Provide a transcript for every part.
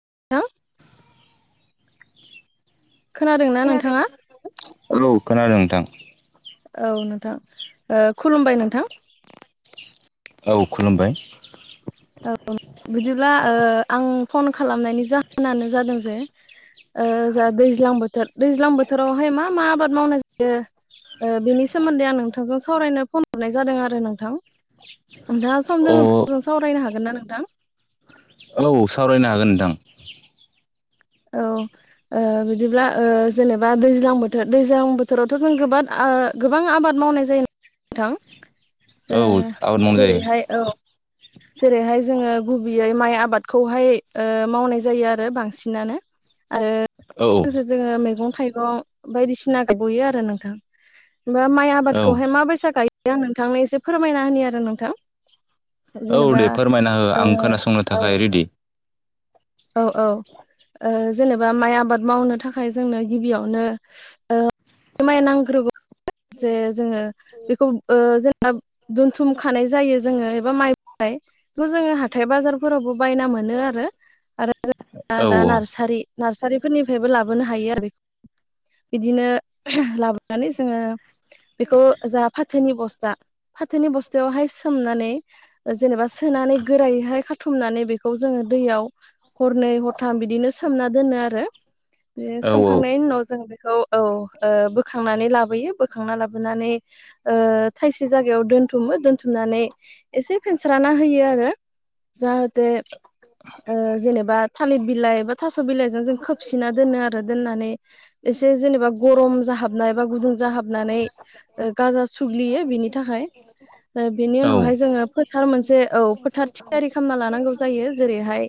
[unintelligible] खोनादोंना नोंथाङा? हेलौ खोनादों नोंथां औ नोंथां खुलुमबाय ओं नोंथां औ खुलुमबाय औ बिदिब्ला ओ आं फन खालामनायनि जाहोनानो जादों जे ओ जोंहा दैज्लां बोथोर दैज्लां बोथोरावहाय मा मा आबाद मावनाय जा यो ओ बिनि सोमोन्दै आं नोंथांजों सावरायनो फन हरनाय जादों आरो नोंथां नोंथाङा सम अ दोङ मोजां सावरायनो हागोन ना नोंथां? औ सावरायनो हागोन नोंथां। औ ओ बिदिब्ला ओ जेनेबा दैज्लां बोथोर दैज्लां बोथोरावथ' जों गोबां आ ओ गोबां आबाद मावनाय जायो नोंथां। औ जो आबाद मावनाय जायो जेरैहाय औ जेरैहाय जोङो गुबैयै माइ आबादखौहाय ओ मावनाय जायो आरो बांसिनानो आरो औ लोगोसे जोङो मैगं थाइगं बायदिसिना गायबयो आरो नोंथां माइ औ आबादखौहाय मााबैसा गायो आं नोंथांनो एसे फोरमायना होनि आरो नोंथां औ जेनेबा दे फोरमायना हो आं खोनासंनो ओ औ थाखाय रेडि औ औ ओ जेनेबा माइ आबाद मावनो थाखाय जोंनो गिबियावनो ओ माइ नांग्रोगौ जे जोङो बेखौ ओ जे दोनथुम खानाय जायो जोङो एबा माइ बेखौ जोङो हाथाय बाजारफोरावबो बायना मोनो आरो आरो ज [unintelligible] औ दा नार्सारि नार्सारिफोरनिफ्रायबो लाबोनो हायो आरो बेख बिदिनो लाबोनानै जोङो बेखौ जा फाथोनि बस्था फाथोनि बस्थायावहाय सोमनानै जेनेबा सोनानै गोरायहाय खाथुमनानै बेखौ जोङो दैयाव हरनै हरथाम बिदिनो सोमना दोनो आरो बे औ सोमखांनायनि उनाव जों बेखौ औ ओ बोखांनानै लाबोयो बोखांना लाबोनानै ओ थायसे जायाव दोनथुमो दोन थुमनानै एसे फेनस्राना होयो आरो जाहाथे ओ जेनेब बा थालिर बिलाइ बा थास' बिलाइजों जों खोबसिनना दोनो आरो दोननानै एसे जेनेबा गरम खम जाहाबनायबा गुदुं जाहाबनानै गाजा सुग्लियो बिनि थाखाय ओ बेनि औ उनावहाय जोङो फोथार मोनसे औ फोथार थियारि खालामना लानांगौ जायो जेरैहाय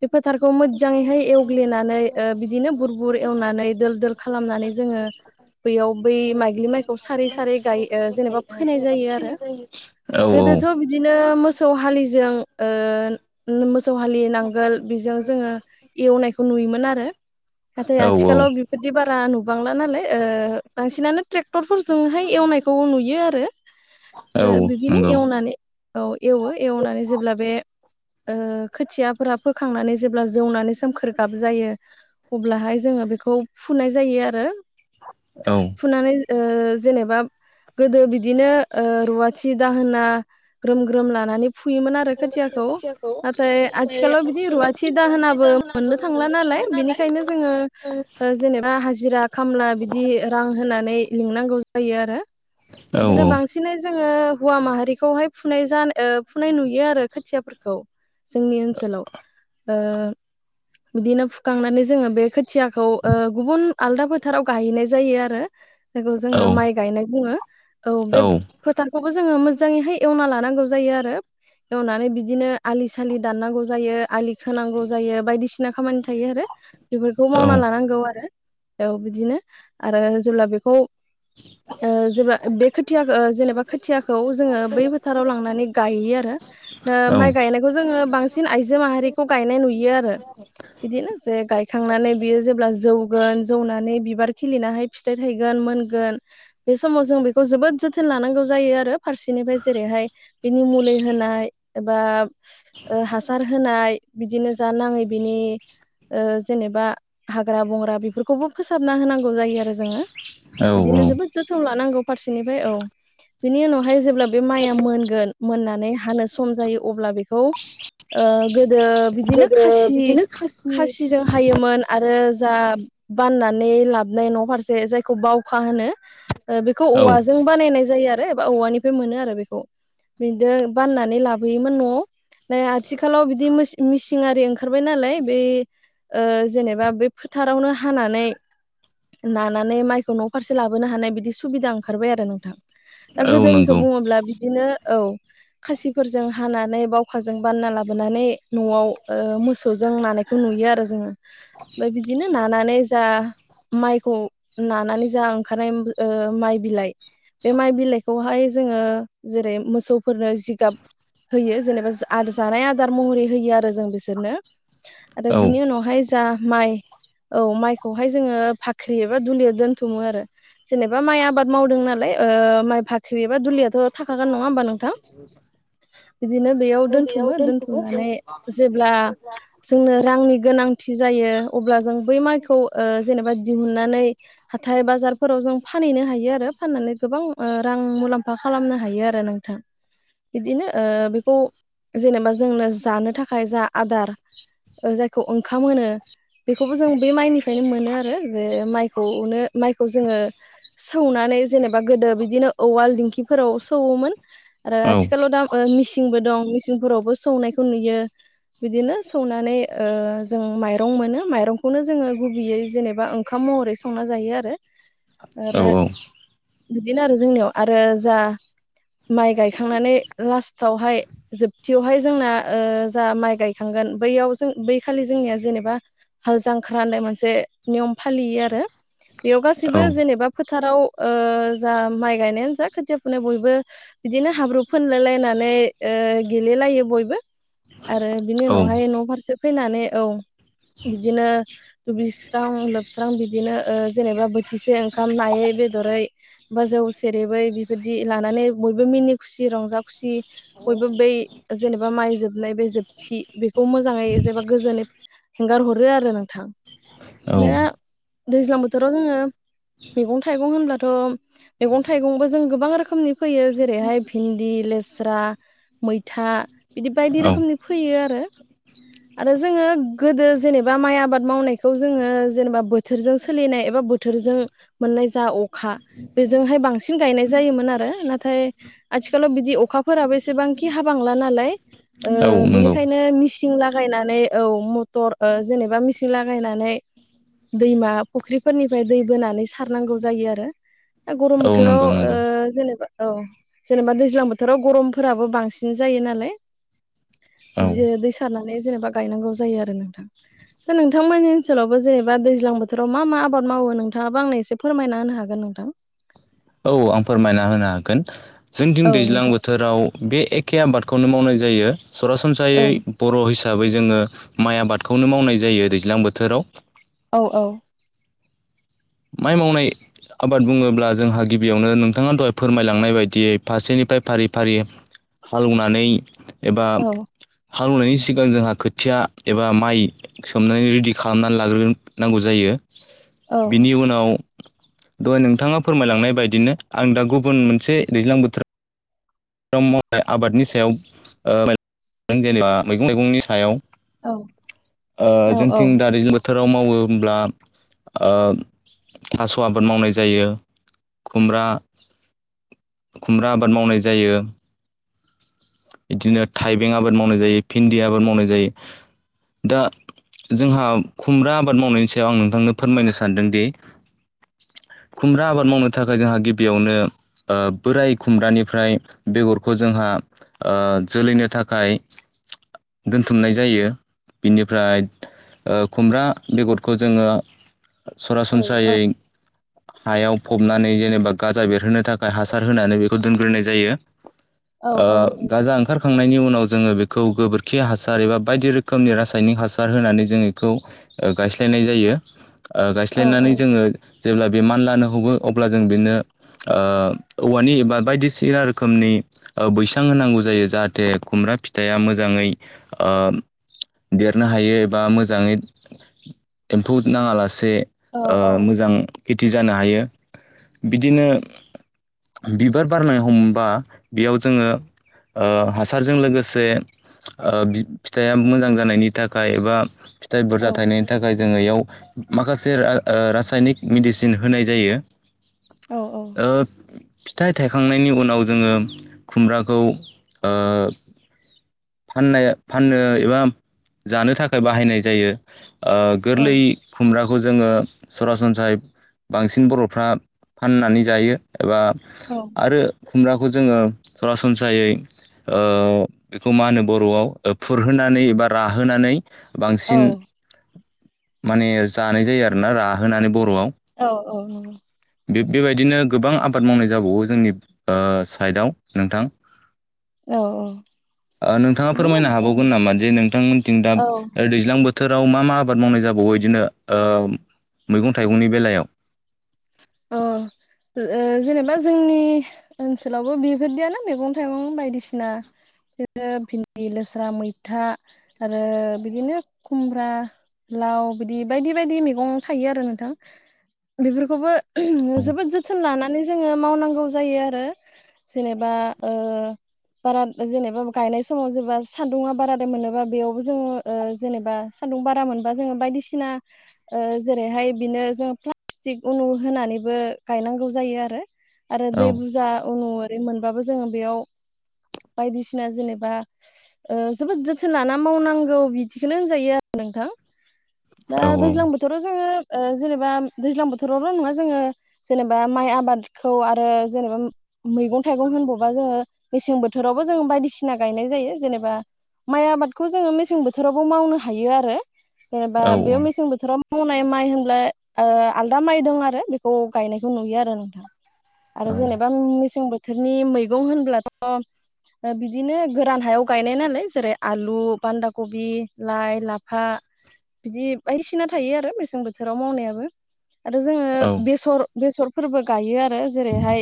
बे फोथारखौ मोजाङैहाय एवग्लिनानै ओ बिदिनो बुर बुर एवनानै दोल दोल खालामनानै जोङो बैयाव बै माइग्लि माइखौ सारै सारै गाय जेनेबा फोनाय जायो आरो [inaudible] गोदोथ' बिदिनो मोसौ हलिजों ओ मोसौ हालि नांगोल बेजों जोङो एवनायखौ नुयोमोन आरो नाथाय औ आथिखालाव बेफोरदि बारा नुबांला नालाय ओ बांसिनानो ट्रेक्टरफोरजोंहाय एव नायखौ नुयो आरो औ आरो बिदिनो नंगौ एवनानै औ एवो एवनानै जेब्ला बे ओ खोथियाफोरा फोखांनानै जेब्ला जौनानै सोमखोर गाब जायो अब्लाहाय जोङो बेखौ फुनाय जायो आरो। औ फुनानै ओ जेनेबा गोदो बिदिनो ओ रुवाथि दाहोना ग्रोम ग्रोम लानानै फुयोमोन आरो खोथिया खोथियाखौ नाथाय आथिखालाव बिदि रुवाथि दाहोनाबो मोननो थांला नालाय बिनिखायनो जोङो ओ जेनेबा हाजिरा खामला बिदि रां होनानै लिंनांगौ जायो आरो औ बिदिनो बांसिनै जोङो हौवा माहारिखौहाय फुनाय ज फुनाय नुयो आरो खोथियाफोरखौ जोंनि ओनसोलाव ओ बिदिनो फुखांनानै जोङो बे खोथियाखौ ओ गुबुन आलदा फोथाराव गाहैनाय जायो आरो। जायखौ जोङो माइ गायनाय बुङो औ बे फोथारखौबो जोङो मोजाङैहाय एवना लानांगौ नानै बिदिनो आलि सालि दाननांगौ जायो आलि खोनांगौ जायो बायदिसिना खामानि थायो आरो बेफोरखौ मावना लानांगौ आरो औ बिदिनो आरो जेब्ला बेखौ ओ जे बे खोथियाखौ जेनेबा खोथियाखौ जोङो बै फोथाराव लांनानै गायो आरो माइ गायनायखौ जोङो बांसिन आइजो माहारिखौ गायनाय नुयो आरो बिदिनो जे गायखांनानै बियो जेब्ला जौगोन जौनानै बिबार खिलिनानैहाय फिथाइ थायगोन मोनगोन बे समाव जों बेखौ जोबोद जोथोन लानांगौ जायो आरो फारसेनिफ्राय जेरैहाय मुलि होनाय एबा ओ हासार होनाय बिदिनो जा नाङै बिनि ओ जेनेबा हाग्रा बंग्रा बेफोरखौबो फोसाबना होनांगौ जायो आरो जोङो औ बिदिनो जोबोद जोथोन लानांगौ फारसेनिफ्राय औ बिनि उनावहाय जेब्ला बे माइया मोनगोन मोननानै हानो सम जायो अब्ला बेखौ ओ गोदो बिदिनो खासि खासिजों हायोमोन आरो जा बाननानै लाबोनाय न' फारसे जायखौ बावखा होनो ओ बेखौ औवाजों बानायनाय जायो आरो एबा औवानिफ्राय मोनो आरो बेखौ बिदि बाननानै लाबोयोमोन न'आव दा आथिखालाव बिदि मिसिन आरि ओंखारबाय नालाय बे ओ जेनेबा बे फोथारावनो हानानै नानानै माइखौ न' फारसे लाबोनो हानाय बिदि सुबिदा ओंखारबाय आरो नोंथां दा औ गोदोनिखौ नंगौ बुङोब्ला बिदिनो औ खासिफोरजों हानानै बाव खाजों बानना लाबोनानै न'आव ओ मोसौजों नानायखौ नुयो आरो जोङो ओमफ्राय बिदि बिदिनो नानानै जा माइखौ नानानै जा ओंखारनाय माइ बिलाइ बे माइ बिलाइखौहाय जोङो जेरै मोसौफोरनो जिगाब होयो जेनेबा जानाय आदार महरै होयो आरो जों बिसोरनो आरो औ बिनि उनावहाय जा माइ औ माइखौहाय जोङो बाख्रि एबा दुलियाव दोनथुमो आरो जेनेबा माइ आबाद मावदों नालाय ओ माइ बाख्रि एबा दुलियाथ' थाखा गोन नङा हबा नोंथां [inaudible] बिदिनो बेयाव दोनथुमो दोनथुमनानै जेब्ला जोंनो रांनि गोनांथि जायो अब्ला जों बै माइखौ ओ जेनेबा दिहुननानै हाथाय बाजारफोराव जों फानहैनो हायो आरो फाननानै गोबां ओ रां मुलाम्फा खालामनो हायो आरो नोंथां बिदिनो ओ बेखौ जेनेबा जोंनो जानो थाखाय जा आदार जायखौ ओंखाम होनो बेखौबो जों बे माइनिफ्रायनो मोनो आरो जे माइखौनो माइखौ जोङो सौना नै जेनेबा गोदो बिदिनो उवाल दिंखिफोराव सौवोमोन आरो औ आथिालाव दा ओ मेसिनबो दं सिंफोरावबो सौनायखौ नुयो बिदिनो सौनानै ओ जों माइरं मोनो माइरंखौनो जोङो गुबैयै जेनेबा ओंखाम महरै संना जायो आरो औ आरो औ बिदिनो आरो जोंनियाव आरो जा माइ गायखांनानै लास्टआवहाय जोबथियावहाय जोंना ओ जा माइ गायखांगोन बैयाव जों बै खालि जोंनिया जेनेबा हाल जांख्रा होननाय मोनसे नियम फालियो आरो बेयाव गासैबो जेनेबा फोथाराव ओ जा माइ गायनायानो जा खोथिया फुनायाव बयबो बिदिनो हाब्रु फोनलाय लायनानै ओ गेलेलायो बयबो आरो बिनि उनावहाय न' फारसे फैनानै औ बिदिनो दुगैस्रां लोबस्रां बिदिनो जेनेबा बोथिसे ओंखाम नायै बेदरै बा जौ सेरेबै बेबायदि लानानै बयबो मिनि खुसि रंजा खुसि बयबो बै जेनेबा माइ जोबनाय बे जोबथि बेखौ मोजाङै जेनबा गोजोनै हेंगार हरो आरो नोंथां बिनो औ दैज्लां बोथोराव जोङो मैगं थाइगं होनब्लाथ' मैगं थाइगंबो जों गोबां रोखोमनि फैयो जेरैहाय भिन्दि लेस्रा मैथा बिदि बायदि औ औ रोखोमनि फैयो आरो आरो जोङो गोदो जेनेबा माइ आबाद मावनायखौ जोङो जेनेबा बोथोरजों सोलिनाय एबा बोथोरजों मोननाय जा अखा बेजोंहाय बांसिन गायनाय जायोमोन आरो नाथाय आथिखालाव बिदि अखाफोराबो एसेबांखि हाबांला नालाय औ नंगौ बिनिखायनो मिसि सिं लागायनानै औ मथर जेनेबा मिसिं लागायनानै दैमा फुख्रिफोरनिफ्राय दै बोनानै सारनांगौ जायो आरो गरम औ बोथोराव नंगौ नंगौ जेनेबा औ जेनेबा दैज्लां बोथोराव गरमफोराबो बांसिन जा यो नालाय औ बिदि दै सारनानै जेनेबा गायनांगौ जायो आरो नोंथां दा नोंथांमोनानि ओनसोलावबो जेनेबा दैज्लां बोथोराव मा मा आबाद मावो नोंथाङाबो आंनो एसे फोरमायना होनो हागोन नोंथां [inaudible] औ आं फोरमायना होनो हागोन जोंथिं औ दैज्लां नोंथां बोथोराव बे ए खे आबादखौनो मावनाय जायो औ सरासनस्रायै बर' हिसा बै जोङो माइ आबादखौनो मावनाय जायो दैज्लां बोथोराव औ-औ माइ मावनाय आबाद बुङोब्ला जोंहा गिबियावनो नोंथाङा दहाय फोरमायलांनाय बायदियै फारसेनिफ्राय फारि फारि हाल एवनानै एबा औ हाल एवनायनि सिगां जोंहा खोथिया एबा माइ सोमनानै रेडि खालामनानै लाग्रोनांगौ जायो [inaudible] औ बिनि उनाव दहाय नोंथाङा फोरमायलांनाय बायदिनो आं दा गुबुन मोनसे दैज्लां बोथोर राव मावनाय आबादनि सायाव जेनेबा मैगं थाइगंनि सायाव औ ओ औ जोंथिं [unintelligible] बोथोराव मावो होमब्ला थास' आबाद मावनाय जायो खुमब्रा खुमब्रा आबाद मावनाय जायो बिदिनो थाइबें आबाद मावनाय जायो भिन्दि आबाद मावनाय जायो दा जोंहा खुमब्रा आबाद मावनायनि सायाव आं नोंथांनो फोरमायनो सानदोंदि [inaudible] खुमब्रा आबाद मावनो थाखाय जोंहा गिबियावनो बोराय खुमब्रानिफ्राय बेगरखौ जोंहा जोलैनो थाखाय दोनथुमनाय जायो बिनिफ्राय खुमब्रा बेगरखौ जोङो सरासनस्रायै हायाव फबनानै जेनेबा गाजा बेरहोनो थाखाय हासार होनानै बेखौ दोनग्रोनाय जायो औ ओ औ गाजां ओंखारखांनायनि उनाव जोङो बेखौ गोबोरखि हासार एबा बायदि रोखोमनि रासायनिक हासार होनानै जोंङो इखौ गायस्लायनाय जायो गायस्लायनानै जोङो जेब्ला बे मा नलानो हमो अब्ला जों बिनो औवानि एबा बायदिसिना रोखोमनि बैसां होनांगौ जायो जाहाथे खुमब्रा फिथाया मोजाङै ओ देरनो हायो एबा मोजाङै एम्फौ नाङालासे औ ओ मोजां खेथि जानो हायो बिदिनो बिबार बारनो हमबा बेयाव जोङो हासारजों लोगोसे फिथाइया मोजां जानायनि थाखाय एबा फिथाइ बुरजा थाइनायनि थाखाय जोङो इयाव माखासे रासायनिक मेडिसिन होनाय जायो। औ ओ फिथाइ थायखांनायनि उनाव जोङो खुमब्राखौ ओ फाननो फाननो एबा जानो थाखाय बाहायनाय जायो। ओ गोरलै खुमब्राखौ जोङो सरासनस्रायै बांसिन बर'फ्रा फाननानै जायो। एबा आरो खुमब्राखौ जोङो सरासनस्रायै खौ मा होनो बर'आव फुरहोनानै एबा राहोनानै बांसिन माने जानाय जायो आरोना राहोनानै बर'आव औ औ औ बे बेबायदिनो गोबां आबाद मावनाय जाबावो जोंनि साइडआव नोंथां औ औ नोंथाङा फोरमायनो बिदिनो हाबावगोन नामा जे नोंथांमोनथिं दा औ दैज्लां बोथोर बोथोराव मा मा आबाद मावनाय जाबावो बिदिनो ओ मैगं थाइगंनि बेलायाव अ जेनेबा जोंनि ओनसोलावबो बेफोरदियानो मैगं थाइगं बायदिसिना भिन्दि, लोस्रा, मैथा आरो बिदिनो खुमब्रा लाव बिदि बायदि बायदि मैगं थायो आरो नोंथां बेफोरखौबो जोबोद जोथोन लानानै जोङो मावनांगौ जायो आरो जेनेबा ओ बारा जेनेबा गायनाय समाव जेबा सान्दुुंआ बाराद्राय मोनोबा बेयावबो जोङो जेनेबा सान्दुं बारा मोनबा जोङो बायदिसिना जेरैहाय बिदिनो जोङो प्लास्टिक होनानैबो गायनांगौ जायो आरो औ दै बुरजा बे मोनबाबो जोङो बेयाव बायदिसिना जेनेबा जोबोद जोथोन लाना मावनांगौ बिदिखौनो होनजायो आरो नोंथां दा औ दैज्लां बोथोराव जोङो जेनेबा दैज्लां बोथोरावल' नङा जोङो जेनेबा माय आबादखौ आरो जेनेबा मैगं थाइगं होनबावबा जोङो मेसें बोथोरावबो जों बायदिसिना गायनाय जायो जेनेबा माइ आबादखौ जोङो मेसें बोथोरावबो मावनो हायो आरो जेनेबा औ बेयाव मेसें बोथोराव मावनाय माइ होनब्ला आलदा माइ दं आरो बेखौ गायनायखौ नुयो आरो नोंथां आरो औ जेनेबा मेसें बोथोर बोथोरनि मैगं होनब्लाथ' बिदिनो गोरान हायाव गायनाय नालाय जेरै आलु बान्दा कबि लाइ लाफा बिदि बायदिसिना थायो आरो मेसें बोथोराव मावनायाबो आरो जोङो औ बेसर बेसरफोरबो गायो आरो जेरैहाय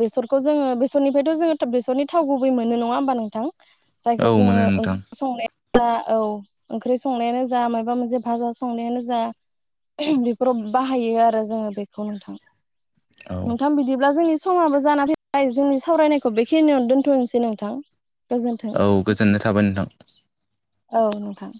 बेसरखौ जोङो बेसरनिफ्रायथ' जोङो बेसरनि थाव गुबै मोनो नङा होमबा नोंथां औ जायखौ जोङो मोनो नोंथां ओंखाम संनायाव जा औ ओंख्रि संनायानो जा माबा मोनसे भाजा संनायानो जा बेफोराव बाहायो आरो जोङो बेखौ नोंथां औ नोंथां बिदिब्ला जोंनि समाबो जाना फैबाय जोंनि सावरायनायखौ बेखिनियावनो दोनथ'नोसै नोंथां। गोजोन्थों औ गोजोननाय थाबाय नोंथां। औ नोंथां।